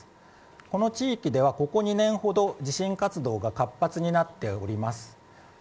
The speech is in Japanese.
この地域ではここ２年ほど地震活動が活発になっています。